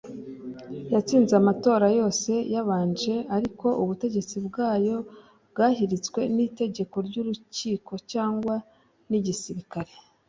yatsinze amatora yose yabanje ariko ubutegetsi bwayo bwahiritswe n'itegeko ry'urukiko cyangwa n'igisirikare